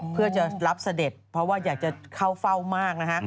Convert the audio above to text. เพื่อจะรับเสด็จเพราะว่าอยากจะเข้าเฝ้ามากนะฮะ